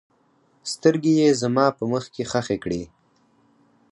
سترګې یې زما په مخ کې ښخې کړې.